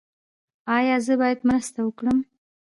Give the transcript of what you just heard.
ایا زه باید مرسته وکړم؟